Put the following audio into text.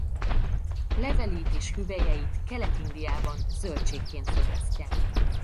Levelét és hüvelyeit Kelet-Indiában zöldségként fogyasztják.